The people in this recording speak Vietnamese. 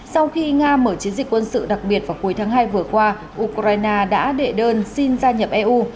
sau khi nga mở chiến dịch quân sự đặc biệt vào cuối tháng hai vừa qua ukraine đã đệ đơn xin gia nhập eu